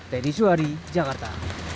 teddy suwari jakarta